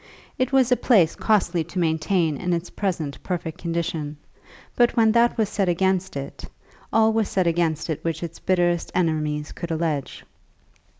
It was a place costly to maintain in its present perfect condition, but when that was said against it, all was said against it which its bitterest enemies could allege.